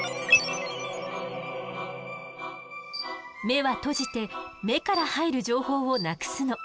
目は閉じて目から入る情報をなくすの。